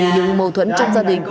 những mâu thuẫn trong gia đình